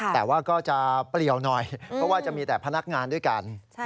แต่ว่าก็จะเปลี่ยวหน่อยเพราะว่าจะมีแต่พนักงานด้วยกัน